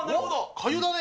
かゆだね。